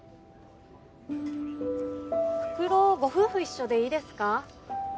袋ご夫婦一緒でいいですか？